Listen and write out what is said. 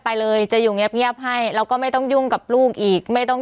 ไปเลยจะอยู่เงียบให้แล้วก็ไม่ต้องยุ่งกับลูกอีกไม่ต้อง